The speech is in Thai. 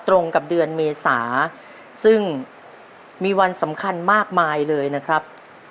ตรงกับเดือนเมษาซึ่งมีวันสำคัญมากมายเลยนะครับ